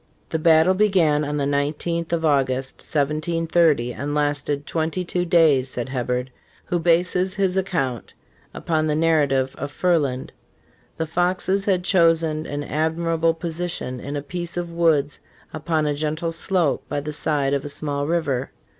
"The battle began on the igth of August, 1730, and lasted twenty two days," says Hebberd,| who bases his account upon the narrative of Ferland.^ " The Foxes had chosen an admirable position in a piece of woods upon a gentle slope by the side of a small river.